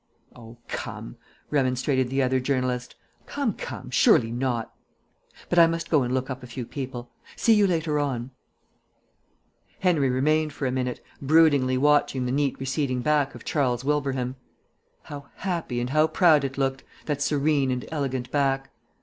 "Oh, come," remonstrated the other journalist. "Come, come. Surely not.... But I must go and look up a few people. See you later on." Henry remained for a minute, broodingly watching the neat receding back of Charles Wilbraham. How happy and how proud it looked, that serene and elegant back!